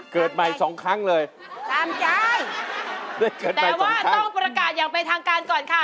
เกิดใหม่สองครั้งเลยตามใจแต่ว่าต้องประกาศอย่างเป็นทางการก่อนค่ะ